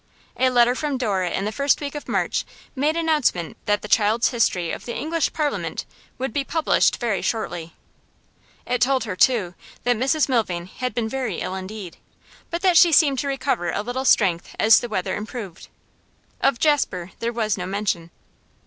A letter from Dora in the first week of March made announcement that the 'Child's History of the English Parliament' would be published very shortly; it told her, too, that Mrs Milvain had been very ill indeed, but that she seemed to recover a little strength as the weather improved. Of Jasper there was no mention.